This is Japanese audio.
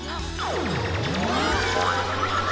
うわ！